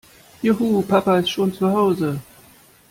Juhu, Papa ist schon zu Hause!